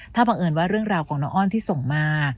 ถ้าบังเอิญว่าเรื่องราวของน้องอ้อนที่ส่งมา